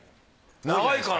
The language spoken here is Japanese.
長いから。